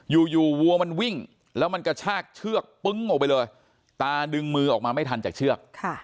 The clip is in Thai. อยู่อยู่วัวมันวิ่งแล้วมันกระชากเชือกปึ๊งออกไปเลย